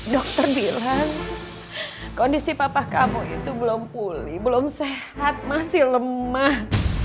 dokter bilang kondisi papa kamu itu belum pulih belum sehat masih lemah